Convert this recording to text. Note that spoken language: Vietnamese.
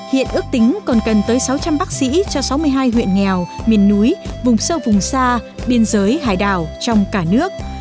hiện ước tính còn cần tới sáu trăm linh bác sĩ cho sáu mươi hai huyện nghèo miền núi vùng sâu vùng xa biên giới hải đảo trong cả nước